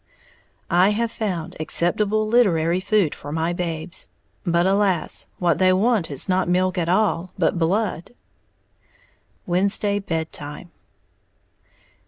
I have found acceptable literary food for my babes, but alas, what they want is not milk at all, but blood! _Wednesday Bed time.